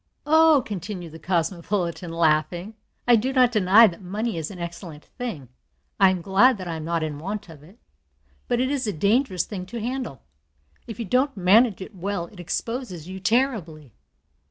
"Oh," continued the cosmopolitan, laughing, "I do not deny that money is an excellent thing. I am glad that I am not in want of it. But it is a dangerous thing to handle. If you don't manage it well it exposes you terribly.